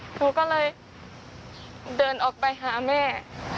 หนูก็เลยเดินออกไปหาแม่